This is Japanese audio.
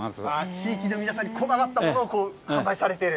地域の皆さんにこだわったものを、こう販売されている。